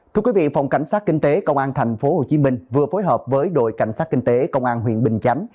thưa quý vị phòng cảnh sát kinh tế công an tp hcm vừa phối hợp với đội cảnh sát kinh tế công an huyện bình chánh